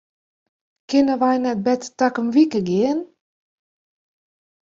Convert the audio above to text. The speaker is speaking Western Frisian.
Kinne wy net better takom wike gean?